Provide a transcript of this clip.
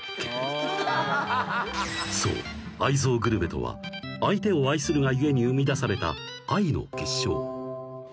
［そう愛憎グルメとは相手を愛するが故に生み出された愛の結晶］